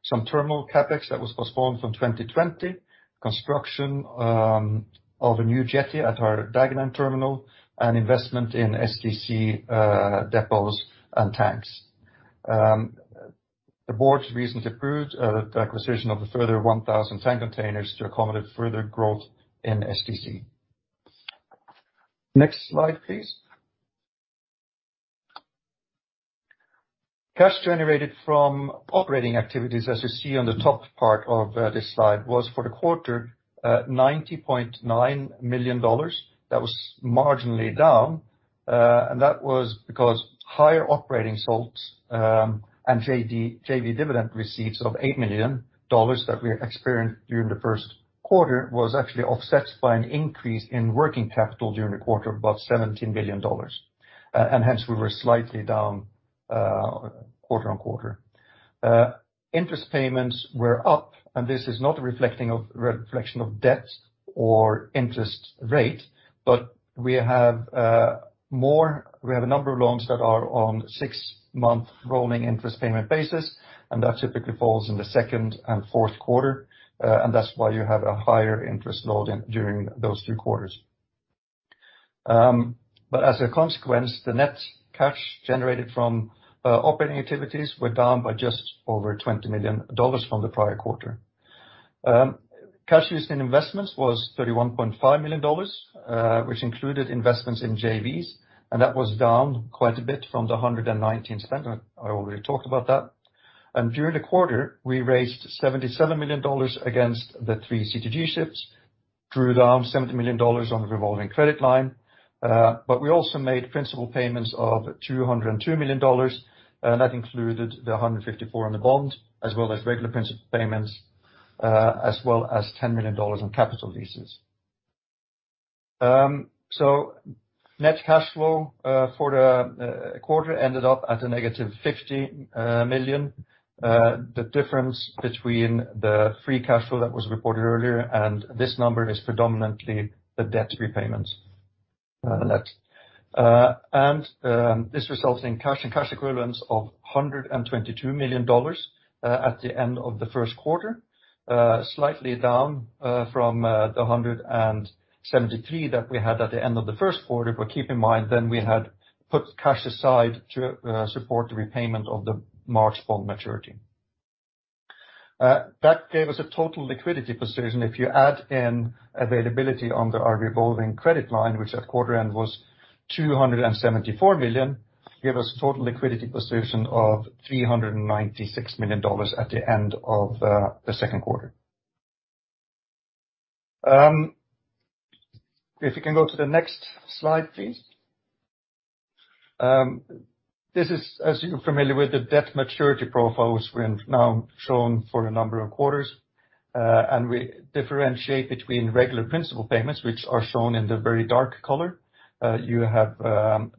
Speaker 3: Some terminal CapEx that was postponed from 2020, construction of a new jetty at our Dagenham terminal, and investment in STC depots and tanks. The board recently approved the acquisition of a further 1,000 tank containers to accommodate further growth in STC. Next slide, please. Cash generated from operating activities, as you see on the top part of this slide, was for the quarter $90.9 million. That was marginally down, that was because higher operating results and JV dividend receipts of $8 million that we experienced during the first quarter was actually offset by an increase in working capital during the quarter of about $17 billion. Hence, we were slightly down quarter-on-quarter. Interest payments were up, this is not a reflection of debt or interest rate, we have a number of loans that are on six-month rolling interest payment basis, that typically falls in the second and fourth quarter, that's why you have a higher interest load during those two quarters. As a consequence, the net cash generated from operating activities were down by just over $20 million from the prior quarter. Cash used in investments was $31.5 million, which included investments in JVs, that was down quite a bit from the $119 spent. I already talked about that. During the quarter, we raised $77 million against the three CTG ships, drew down $70 million on the revolving credit line. We also made principal payments of $202 million, and that included the $154 million on the bond, as well as regular principal payments, as well as $10 million on capital leases. Net cash flow for the quarter ended up at a negative $50 million. The difference between the free cash flow that was reported earlier and this number is predominantly the debt repayments. Next. This resulting cash and cash equivalents of $122 million at the end of the first quarter, slightly down from the $173 million that we had at the end of the first quarter. Keep in mind, then we had put cash aside to support the repayment of the March bond maturity. That gave us a total liquidity position. If you add in availability on the revolving credit line, which at quarter end was $274 million, gave us total liquidity position of $396 million at the end of the second quarter. If you can go to the next slide, please. This is, as you're familiar with, the debt maturity profiles we've now shown for a number of quarters. We differentiate between regular principal payments, which are shown in the very dark color. You have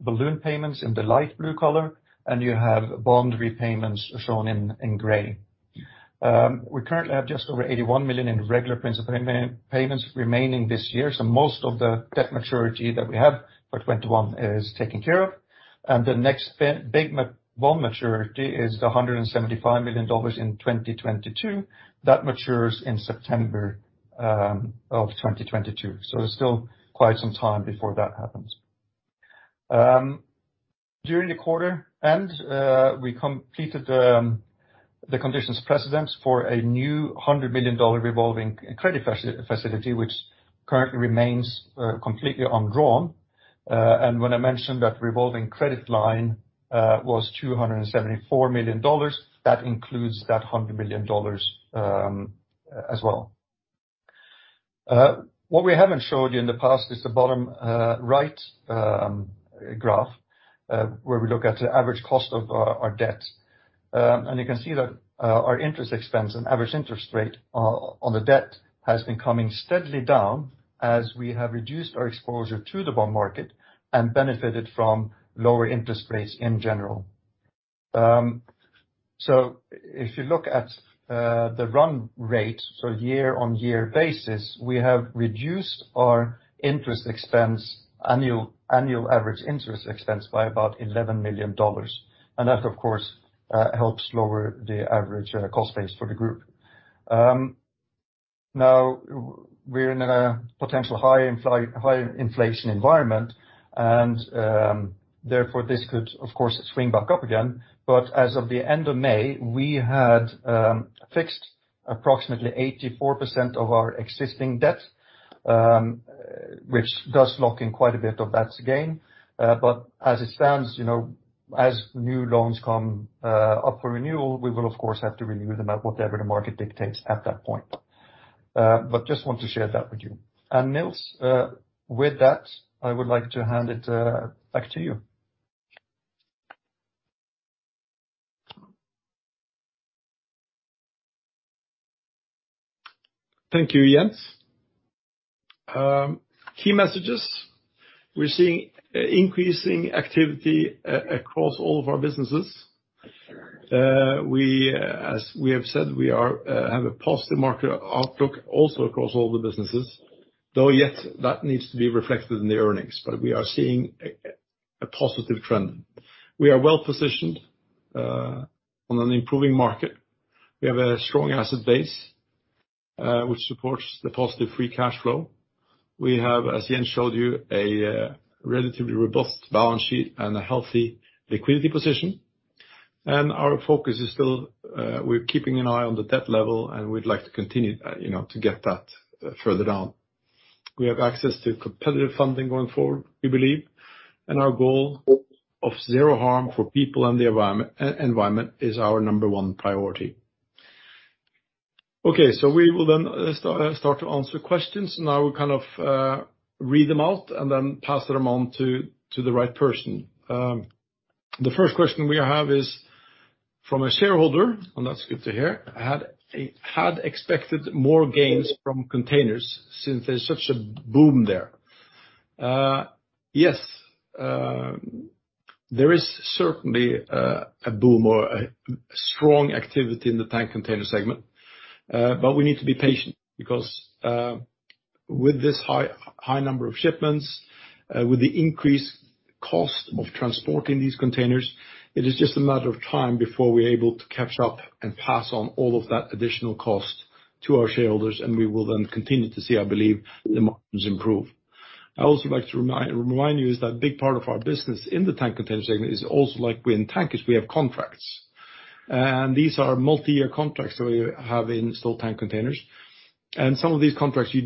Speaker 3: balloon payments in the light blue color, and you have bond repayments shown in gray. We currently have just over $81 million in regular principal payments remaining this year, most of the debt maturity that we have for 2021 is taken care of. The next big bond maturity is the $175 million in 2022. That matures in September of 2022, it's still quite some time before that happens. During the quarter end, we completed the conditions precedents for a new $100 million revolving credit facility, which currently remains completely undrawn. When I mentioned that revolving credit line was $274 million, that includes that $100 million as well. What we haven't showed you in the past is the bottom right graph, where we look at the average cost of our debt. You can see that our interest expense and average interest rate on the debt has been coming steadily down as we have reduced our exposure to the bond market and benefited from lower interest rates in general. If you look at the run rate, so year-over-year basis, we have reduced our annual average interest expense by about $11 million. That of course, helps lower the average cost base for the group. Now we're in a potential high inflation environment and therefore this could of course swing back up again. As of the end of May, we had fixed approximately 84% of our existing debt, which does lock in quite a bit of that gain. As it stands, as new loans come up for renewal, we will of course have to renew them at whatever the market dictates at that point. Just want to share that with you. Niels, with that, I would like to hand it back to you.
Speaker 1: Thank you, Jens. Key messages. We're seeing increasing activity across all of our businesses. We have said we have a positive market outlook also across all the businesses, though yet that needs to be reflected in the earnings. We are seeing a positive trend. We are well-positioned on an improving market. We have a strong asset base, which supports the positive free cash flow. We have, as Jens showed you, a relatively robust balance sheet and a healthy liquidity position. Our focus is still, we are keeping an eye on the debt level and we'd like to continue to get that further down. We have access to competitive funding going forward, we believe, and our goal of zero harm for people and the environment is our number one priority. We will start to answer questions. We kind of read them out and then pass them on to the right person. The first question we have is from a shareholder. That's good to hear. Had expected more gains from containers since there's such a boom there. Yes, there is certainly a boom or a strong activity in the tank container segment. We need to be patient because, with this high number of shipments, with the increased cost of transporting these containers, it is just a matter of time before we're able to catch up and pass on all of that additional cost to our shareholders and we will then continue to see, I believe, the margins improve. I'd also like to remind you is that big part of our business in the tank container segment is also like we're in tankers, we have contracts. These are multi-year contracts that we have in Stolt Tank Containers. Some of these contracts you're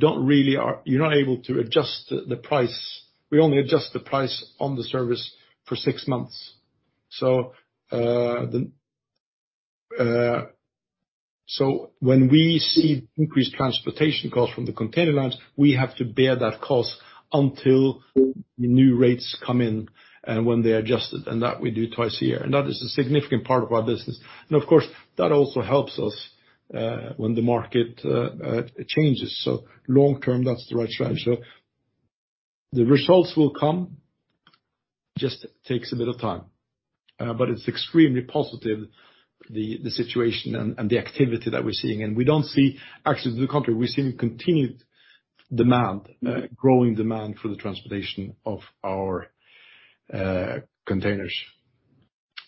Speaker 1: not able to adjust the price. We only adjust the price on the service for six months. When we see increased transportation costs from the container lines, we have to bear that cost until the new rates come in and when they adjust it, and that we do twice a year. That is a significant part of our business. Of course, that also helps us when the market changes. Long-term, that's the right trend. The results will come, it just takes a bit of time. It's extremely positive the situation and the activity that we're seeing, and we don't see actually to the contrary, we're seeing continued demand, growing demand for the transportation of our container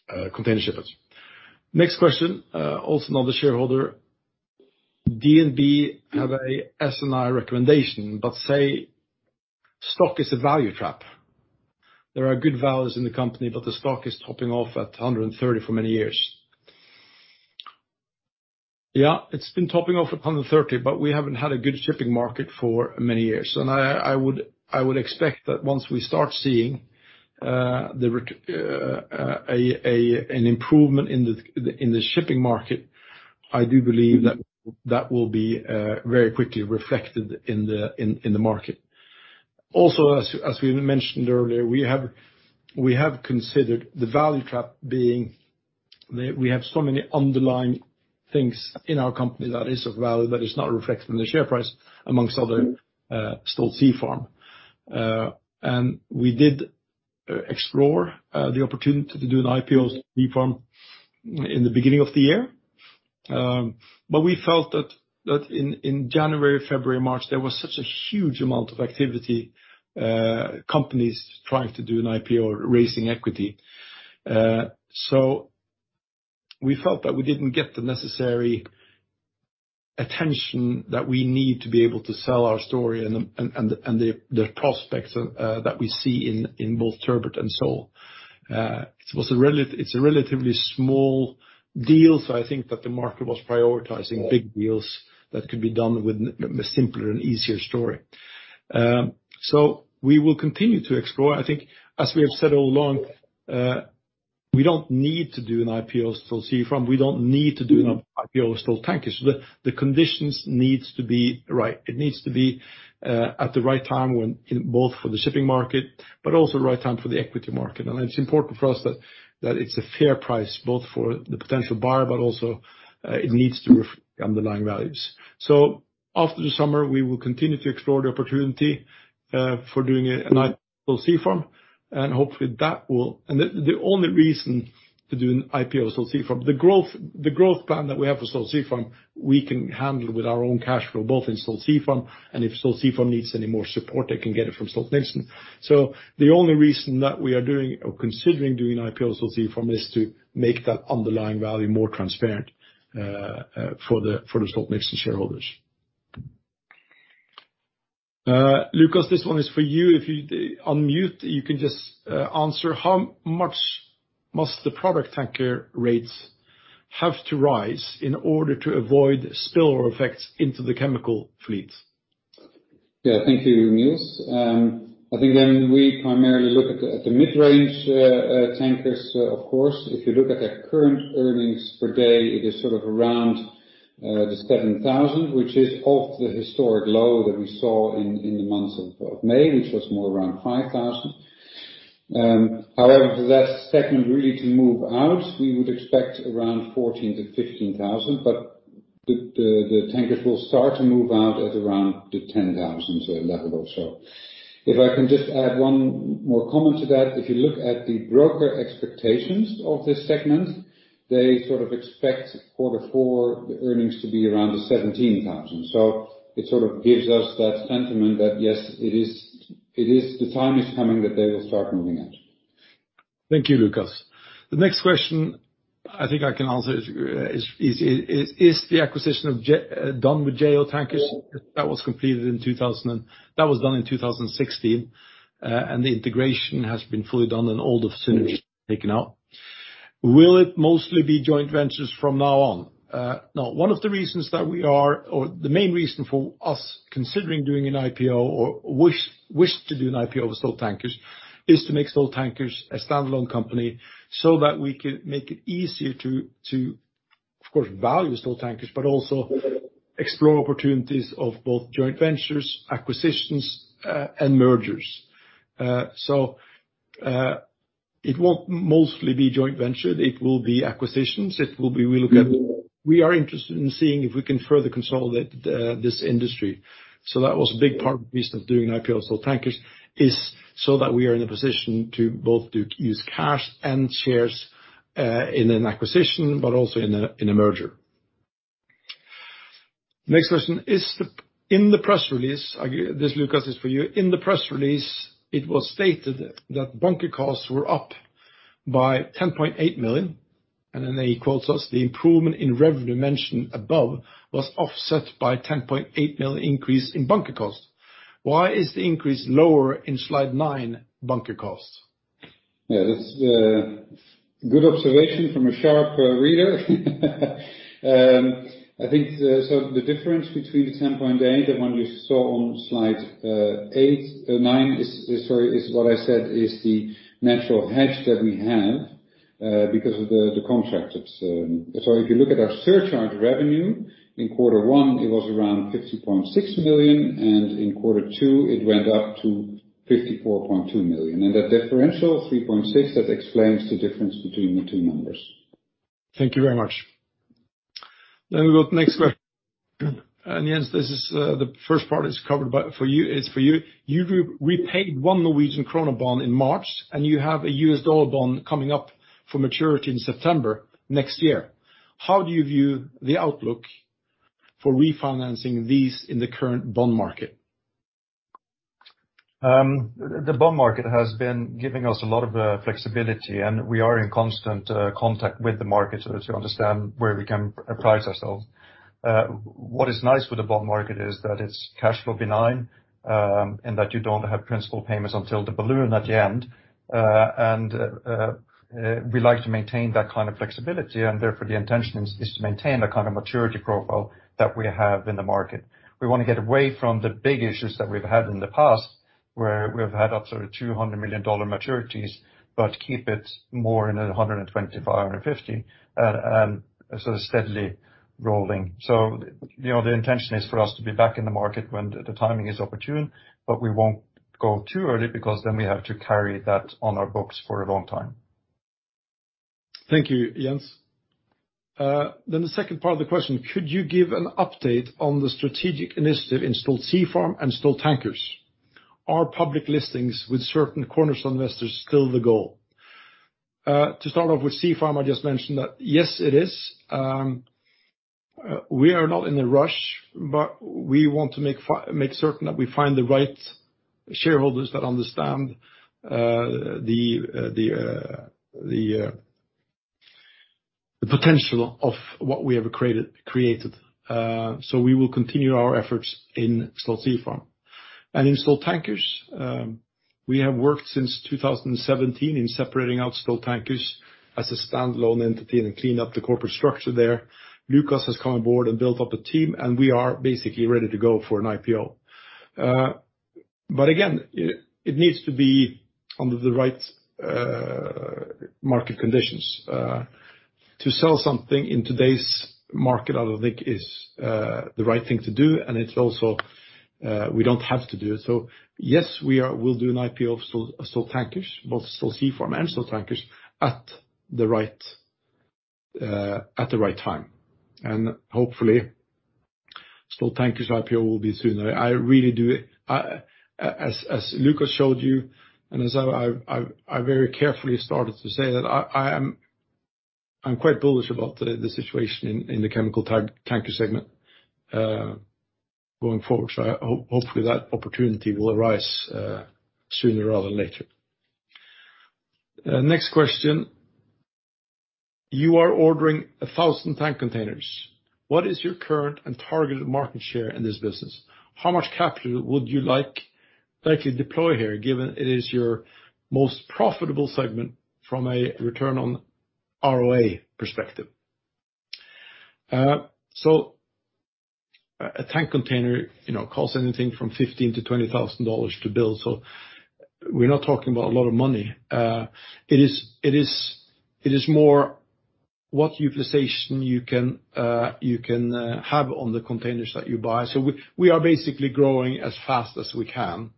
Speaker 1: shipments. Next question, also another shareholder. DNB have a sell recommendation but say stock is a value trap. There are good values in the company, but the stock is topping off at $130 for many years. Yeah, it's been topping off at $130, but we haven't had a good shipping market for many years. I would expect that once we start seeing an improvement in the shipping market, I do believe that that will be very quickly reflected in the market. Also, as we mentioned earlier, we have considered the value trap being we have so many underlying things in our company that is of value that is not reflected in the share price amongst other Stolt Sea Farm. We did explore the opportunity to do an IPO of Stolt Sea Farm in the beginning of the year. We felt that in January, February, March, there was such a huge amount of activity, companies trying to do an IPO, raising equity. We felt that we didn't get the necessary attention that we need to be able to sell our story and the prospects that we see in both Turbot and sole. It's a relatively small deal, so I think that the market was prioritizing big deals that could be done with a simpler and easier story. We will continue to explore. I think as we have said all along, we don't need to do an IPO Stolt Sea Farm. We don't need to do an IPO of Stolt Tankers. The conditions needs to be right. It needs to be at the right time when both for the shipping market, but also the right time for the equity market. It's important for us that it's a fair price both for the potential buyer, but also it needs to reflect the underlying values. After the summer, we will continue to explore the opportunity for doing an IPO of Stolt Sea Farm. The only reason to do an IPO of Stolt Sea Farm, the growth plan that we have for Stolt Sea Farm, we can handle with our own cash flow, both in Stolt Sea Farm and if Stolt Sea Farm needs any more support, they can get it from Stolt-Nielsen. The only reason that we are doing or considering doing IPO of Stolt Sea Farm is to make that underlying value more transparent for the Stolt-Nielsen shareholders. Lucas, this one is for you. If you unmute, you can just answer. How much must the product tanker rates have to rise in order to avoid spillover effects into the chemical fleet?
Speaker 2: Yeah, thank you, Niels. I think we primarily look at the mid-range tankers, of course. If you look at their current earnings per day, it is around $7,000, which is off the historic low that we saw in the months of May, which was more around $5,000. However, for that segment really to move out, we would expect around $14,000-$15,000, the tankers will start to move out at around the $10,000 level or so. If I can just add one more comment to that. If you look at the broker expectations of this segment, they expect quarter four earnings to be around $17,000. It gives us that sentiment that, yes, the time is coming that they will start moving out.
Speaker 1: Thank you, Lucas. The next question I think I can answer is the acquisition done with Jo Tankers? That was done in 2016, and the integration has been fully done and all the synergies taken out. Will it mostly be joint ventures from now on? No. One of the reasons that or the main reason for us considering doing an IPO or wish to do an IPO of Stolt Tankers is to make Stolt Tankers a standalone company so that we can make it easier to, of course, value Stolt Tankers, but also explore opportunities of both joint ventures, acquisitions, and mergers. It won't mostly be joint ventured. It will be acquisitions. We are interested in seeing if we can further consolidate this industry. That was a big part of the reason of doing IPO of Stolt Tankers is so that we are in a position to both use cash and shares in an acquisition but also in a merger. Next question. This, Lucas, is for you. In the press release, it was stated that bunker costs were up by $10.8 million, and then they quote us, "The improvement in revenue mentioned above was offset by $10.8 million increase in bunker costs." Why is the increase lower in slide 9, bunker costs?
Speaker 2: Yeah, that's a good observation from a sharp reader. I think the difference between the $10.8 and the one you saw on slide nine is what I said is the natural hedge that we have because of the contract. If you look at our surcharge revenue, in quarter one, it was around $50.6 million, and in quarter two, it went up to $54.2 million. That differential, $3.6, that explains the difference between the two numbers.
Speaker 1: Thank you very much. We go to the next question. Jens, the first part is covered, but for you is for you. You repaid 1 Norwegian krona bond in March, and you have a USD bond coming up for maturity in September next year. How do you view the outlook for refinancing these in the current bond market?
Speaker 3: The bond market has been giving us a lot of flexibility, and we are in constant contact with the market so that we understand where we can price ourselves. What is nice with the bond market is that it's cash flow benign, and that you don't have principal payments until the balloon at the end. We like to maintain that kind of flexibility, and therefore the intention is to maintain the kind of maturity profile that we have in the market. We want to get away from the big issues that we've had in the past, where we've had up to $200 million maturities, but keep it more in the $120 million-$150 million and sort of steadily rolling. The intention is for us to be back in the market when the timing is opportune, but we won't go too early because then we have to carry that on our books for a long time.
Speaker 1: Thank you, Jens. The second part of the question. Could you give an update on the strategic initiative in Stolt Sea Farm and Stolt Tankers? Are public listings with certain cornerstone investors still the goal? To start off with Sea Farm, I just mentioned that, yes, it is. We are not in a rush, but we want to make certain that we find the right shareholders that understand the potential of what we have created. We will continue our efforts in Stolt Sea Farm. In Stolt Tankers, we have worked since 2017 in separating out Stolt Tankers as a standalone entity and cleaned up the corporate structure there. Lucas has come on board and built up a team, and we are basically ready to go for an IPO. Again, it needs to be under the right market conditions. To sell something in today's market, I don't think is the right thing to do, and it's also we don't have to do it. Yes, we'll do an IPO of Stolt Tankers, both Stolt Sea Farm and Stolt Tankers, at the right time. Hopefully, Stolt Tankers type here will be sooner. As Lucas showed you, and as I very carefully started to say that I'm quite bullish about the situation in the chemical tanker segment going forward. Hopefully that opportunity will arise sooner rather than later. Next question. You are ordering 1,000 tank containers. What is your current and targeted market share in this business? How much capital would you like to deploy here, given it is your most profitable segment from a return on ROA perspective? A tank container costs anything from $15,000 to $20,000 to build. We're not talking about a lot of money. It is more what utilization you can have on the containers that you buy. We are basically growing as fast as we can.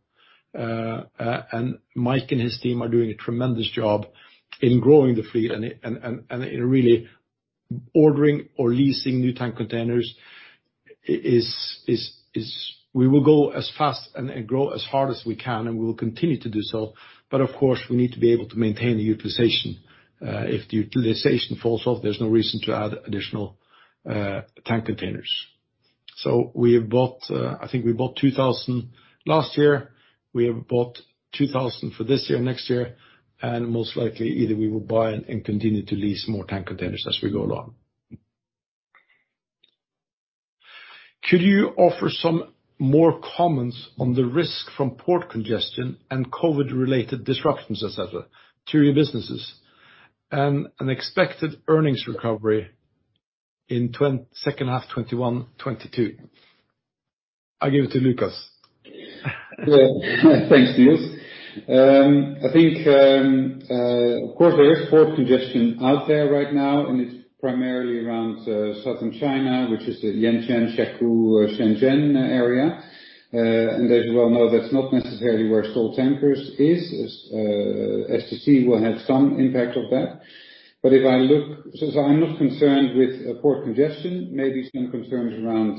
Speaker 1: Mike and his team are doing a tremendous job in growing the fleet and in really ordering or leasing new tank containers. We will go as fast and grow as hard as we can and we'll continue to do so. Of course, we need to be able to maintain the utilization. If the utilization falls off, there's no reason to add additional tank containers. We have bought, I think we bought 2,000 last year. We have bought 2,000 for this year, next year, and most likely either we will buy and continue to lease more tank containers as we go along. Could you offer some more comments on the risk from port congestion and COVID-19 related disruptions, et cetera, to your businesses and an expected earnings recovery in second half 2021, 2022? I give to Lucas.
Speaker 2: Yeah. Thanks, Niels. I think, of course there is port congestion out there right now. It's primarily around southern China, which is the Yantian, Shekou, Shenzhen area. As you well know, that's not necessarily where Stolt Tankers is. STC we'll have some impact of that. I'm not concerned with port congestion, maybe some concerns around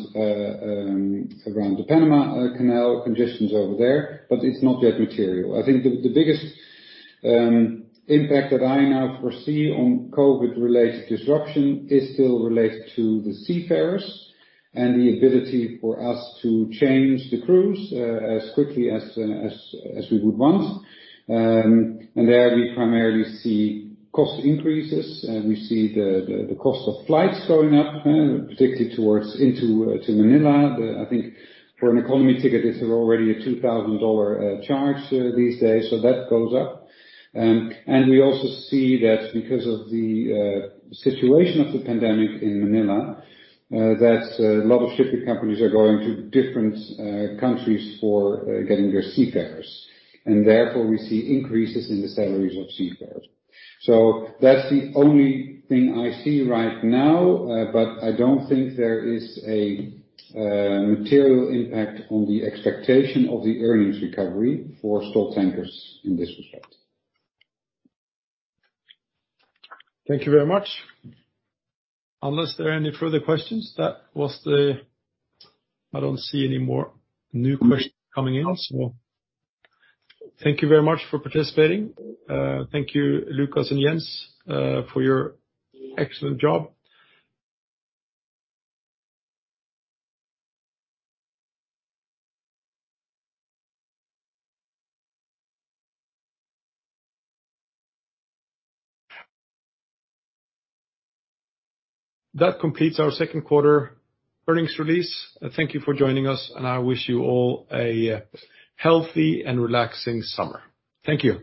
Speaker 2: the Panama Canal congestions over there. It's not that material. I think the biggest impact that I now foresee on COVID related disruption is still related to the seafarers and the ability for us to change the crews as quickly as we would want. There we primarily see cost increases. We see the cost of flights going up, particularly into Manila. I think for an economy ticket, it is already a $2,000 charge these days. That goes up. We also see that because of the situation of the pandemic in Manila, that a lot of shipping companies are going to different countries for getting their seafarers. Therefore, we see increases in the salaries of seafarers. That's the only thing I see right now. I don't think there is a material impact on the expectation of the earnings recovery for Stolt Tankers in this respect.
Speaker 1: Thank you very much. Unless there are any further questions, I don't see any more new questions coming in. Thank you very much for participating. Thank you, Lucas and Jens, for your excellent job. That completes our second quarter earnings release. Thank you for joining us, and I wish you all a healthy and relaxing summer. Thank you.